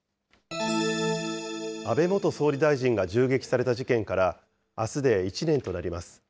安倍元総理大臣が銃撃された事件からあすで１年となります。